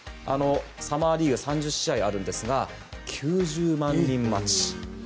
サマーリーグ３０試合あるんですが９０万人待ち。